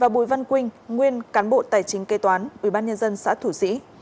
bùi văn quynh nguyên cán bộ tài chính kê toán ubnd xã thủ sĩ